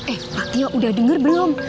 eh pak tio udah denger belum